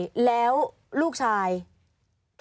ปีอาทิตย์ห้ามีส